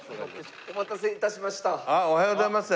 お待たせ致しました。